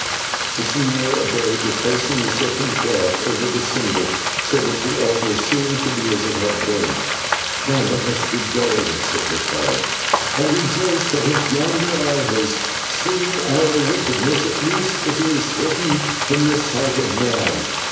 The señor obeyed, replacing the silken cloth over the symbol, so that the altar seemed to be as it had been. "Now let us be going," said Mattai, "and rejoice, that if yonder eye has seen our wickedness, at least it is hidden from the sight of man.